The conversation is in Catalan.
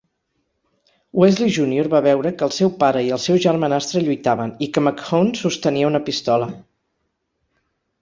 Wesley Junior va veure que el seu pare i el seu germanastre lluitaven, i que McHone sostenia una pistola.